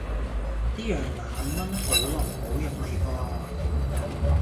啲羊腩炆得好腍好入味噃